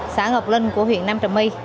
xã ngọc linh của huyện nam trầm my